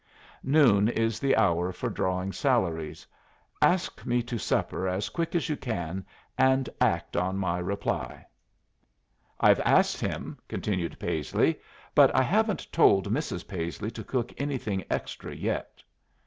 Noon is the hour for drawing salaries. Ask me to supper as quick as you can, and act on my reply.' I've asked him," continued Paisley, "but I haven't told Mrs. Paisley to cook anything extra yet."